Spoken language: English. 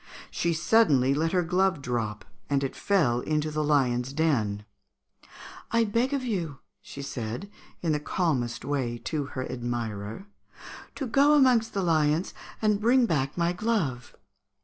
She suddenly let her glove drop, and it fell into the lions' den. 'I beg of you,' she said, in the calmest way, to her admirer, 'to go amongst the lions and bring me back my glove.'